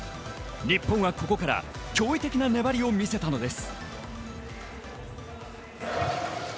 日本はここから驚異的な粘りを見せたのです。